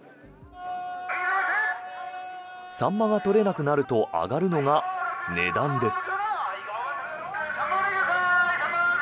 サンマが取れなくなると上がるのが値段です。